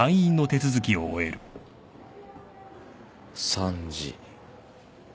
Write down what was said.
３時。